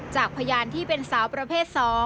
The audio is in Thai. จากพยานที่เป็นสาวประเภท๒